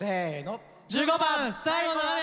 １５番「最後の雨」。